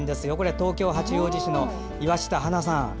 東京・八王子市の岩下はなさん。